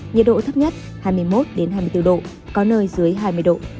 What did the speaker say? nhiệt độ thấp nhất hai mươi một hai mươi bốn độ có nơi dưới hai mươi độ